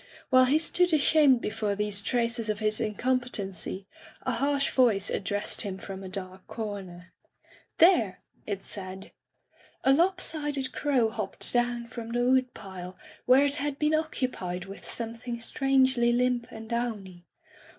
While he stood ashamed before these traces of his incompetency, a harsh voice addressed him from a dark comer. "There!" it said. A lop sided crow hopped down from the wood pile, where it had been occupied with something strangely limp and downy.